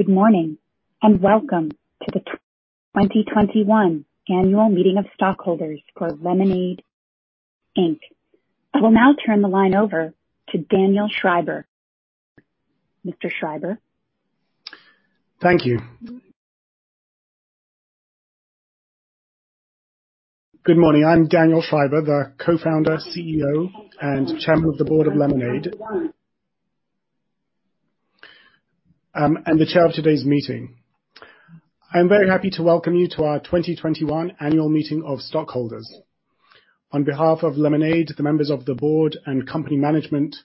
Good morning, welcome to the 2021 Annual Meeting of Stockholders for Lemonade, Inc. I will now turn the line over to Daniel Schreiber. Mr. Schreiber? Thank you. Good morning. I'm Daniel Schreiber, the co-founder, CEO, and Chairman of the Board of Lemonade, and the chair of today's meeting. I'm very happy to welcome you to our 2021 Annual Meeting of Stockholders. On behalf of Lemonade, the members of the Board, and company management,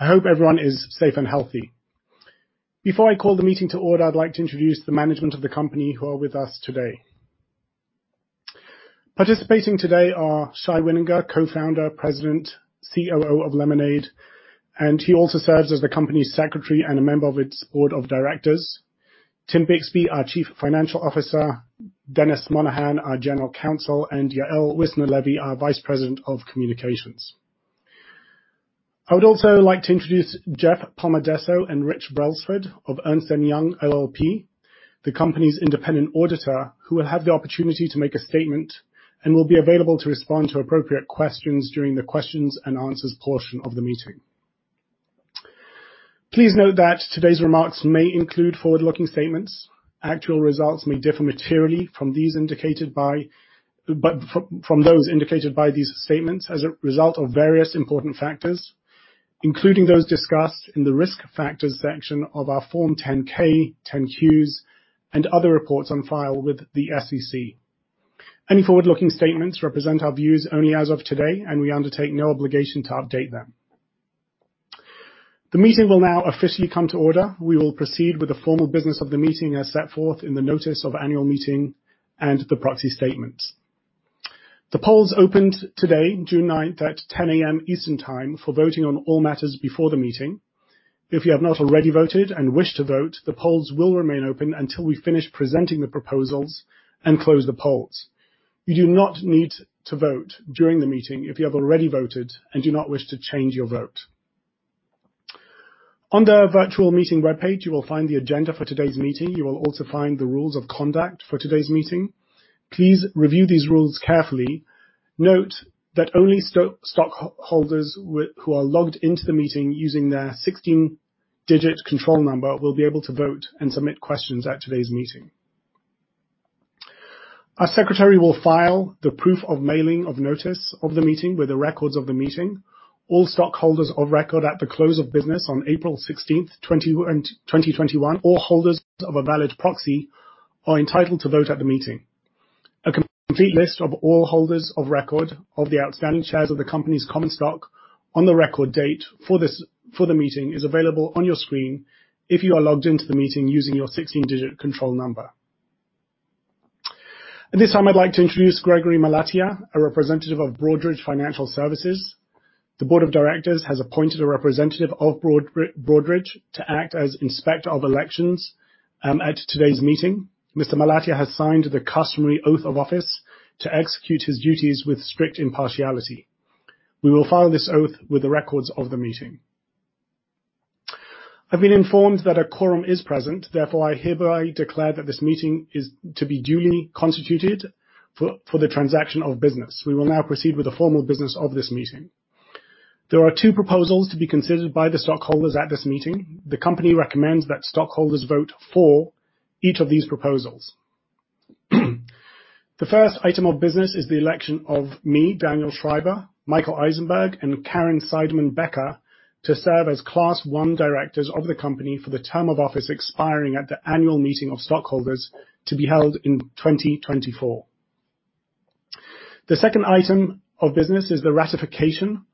I hope everyone is safe and healthy. Before I call the meeting to order, I'd like to introduce the management of the company who are with us today. Participating today are Shai Wininger, co-founder, President, COO of Lemonade, and he also serves as the company's Secretary and a member of its Board of Directors. Tim Bixby, our Chief Financial Officer. Dennis Monahan, our General Counsel, and Yael Wissner-Levy, our Vice President of Communications. I would also like to introduce Jeff Palmadesso and Rich Brelsford of Ernst & Young LLP, the company's independent auditor, who will have the opportunity to make a statement and will be available to respond to appropriate questions during the questions and answers portion of the meeting. Please note that today's remarks may include forward-looking statements. Actual results may differ materially from those indicated by these statements as a result of various important factors, including those discussed in the Risk Factors section of our Form 10-K, 10-Qs, and other reports on file with the SEC. Any forward-looking statements represent our views only as of today, and we undertake no obligation to update them. The meeting will now officially come to order. We will proceed with the formal business of the meeting as set forth in the notice of annual meeting and the proxy statement. The polls opened today, June 9th, at 10:00 A.M. Eastern Time for voting on all matters before the meeting. If you have not already voted and wish to vote, the polls will remain open until we finish presenting the proposals and close the polls. You do not need to vote during the meeting if you have already voted and do not wish to change your vote. On the virtual meeting webpage, you will find the agenda for today's meeting. You will also find the rules of conduct for today's meeting. Please review these rules carefully. Note that only stockholders who are logged into the meeting using their 16-digit control number will be able to vote and submit questions at today's meeting. Our secretary will file the proof of mailing of notice of the meeting with the records of the meeting. All stockholders of record at the close of business on April 16th, 2021, or holders of a valid proxy, are entitled to vote at the meeting. A complete list of all holders of record of the outstanding shares of the company's common stock on the record date for the meeting is available on your screen if you are logged into the meeting using your 16-digit control number. At this time, I'd like to introduce Gregory Malatesta, a representative of Broadridge Financial Services. The board of directors has appointed a representative of Broadridge to act as inspector of elections at today's meeting. Mr. Malatesta has signed the customary oath of office to execute his duties with strict impartiality. We will file this oath with the records of the meeting. I've been informed that a quorum is present, therefore, I hereby declare that this meeting is to be duly constituted for the transaction of business. We will now proceed with the formal business of this meeting. There are two proposals to be considered by the stockholders at this meeting. The company recommends that stockholders vote for each of these proposals. The first item of business is the election of me, Daniel Schreiber, Michael Eisenberg, and Caryn Seidman-Becker to serve as Class I directors of the company for the term of office expiring at the annual meeting of stockholders to be held in 2024. The second item of business is the ratification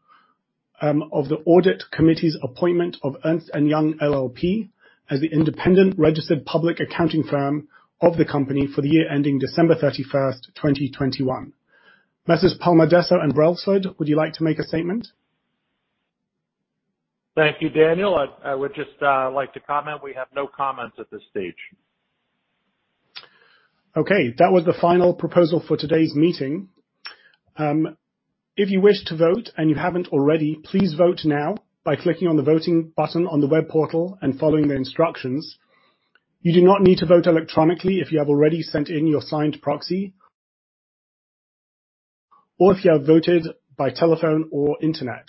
of the audit committee's appointment of Ernst & Young LLP as the independent registered public accounting firm of the company for the year ending December 31st, 2021. Messrs. Palmadesso and Brelsford, would you like to make a statement? Thank you, Daniel. I would just like to comment, we have no comment at this stage. Okay, that was the final proposal for today's meeting. If you wish to vote and you haven't already, please vote now by clicking on the voting button on the web portal and following the instructions. You do not need to vote electronically if you have already sent in your signed proxy or if you have voted by telephone or internet.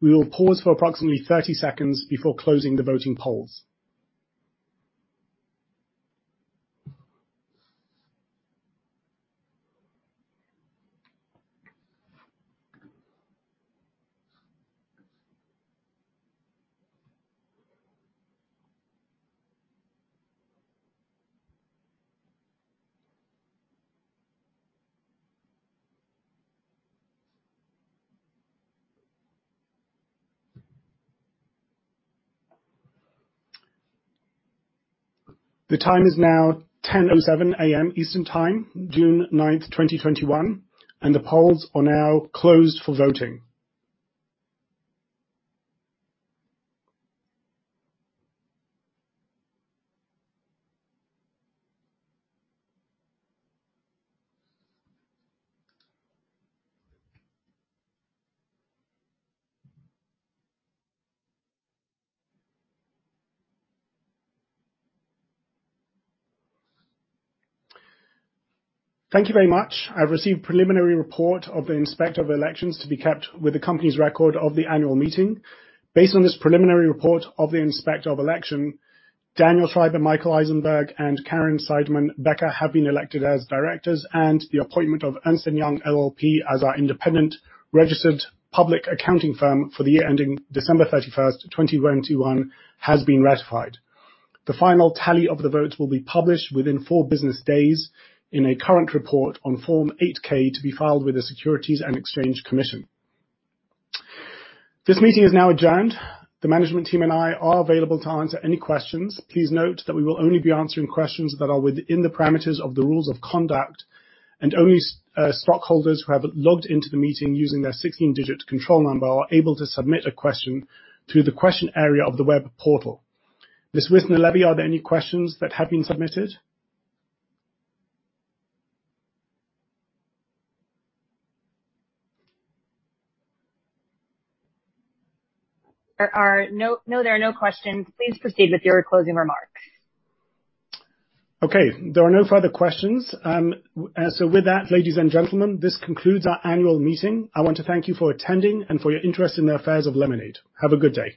We will pause for approximately 30 seconds before closing the voting polls. The time is now 10:07 A.M. Eastern Time, June 9th, 2021, and the polls are now closed for voting. Thank you very much. I have received the preliminary report of the inspector of elections to be kept with the company's record of the annual meeting. Based on this preliminary report of the inspector of election, Daniel Schreiber, Michael Eisenberg, and Caryn Seidman-Becker have been elected as directors, and the appointment of Ernst & Young LLP as our independent registered public accounting firm for the year ending December 31st, 2021, has been ratified. The final tally of the votes will be published within four business days in a current report on Form 8-K to be filed with the Securities and Exchange Commission. This meeting is now adjourned. The management team and I are available to answer any questions. Please note that we will only be answering questions that are within the parameters of the rules of conduct, and only stockholders who have logged into the meeting using their 16-digit control number are able to submit a question through the question area of the web portal. Ms. Wissner-Levy, are there any questions that have been submitted? No, there are no questions. Please proceed with your closing remarks. Okay, there are no further questions. With that, ladies and gentlemen, this concludes our annual meeting. I want to thank you for attending and for your interest in the affairs of Lemonade. Have a good day.